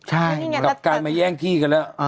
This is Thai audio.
กลับกลายมาแย่งที่กันแล้ว